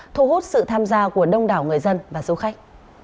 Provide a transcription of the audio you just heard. thu hút sự tham gia của đông đảo người dân và du khách